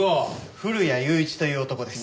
古谷雄一という男です。